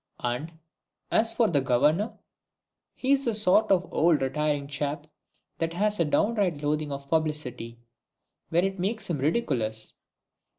And, as for the Governor, he's the sort of old retiring chap that has a downright loathing of publicity, when it makes him ridiculous.